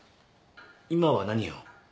今は何を？